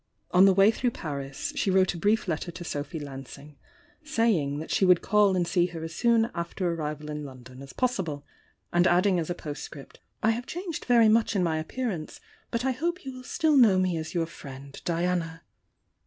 On the way through Paris she wrote a brief letter to Sophy Lansing, saying that she would call and see her as soon after arrival in London as possible, and adding as a postscript: "I have changed very much in my appearance, but I hope you will still know me as your friend, Diana."